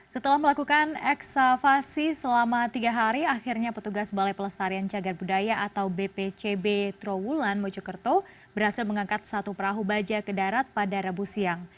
setelah melakukan eksavasi selama tiga hari akhirnya petugas balai pelestarian jagad budaya atau bpcb trawulan mojokerto berhasil mengangkat satu perahu baja ke darat pada rabu siang